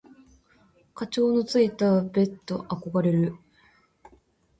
蚊帳のついたベット憧れる。